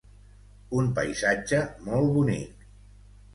Un paisatge molt bonic